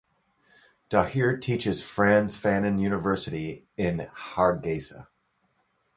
Dahir teaches at Franz Fanon University in Hargeisa.